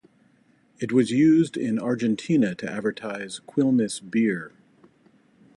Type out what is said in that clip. It was used in Argentina to advertise Quilmes beer.